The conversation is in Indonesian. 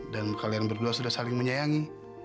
dan kalian berdua sudah saling menyayangi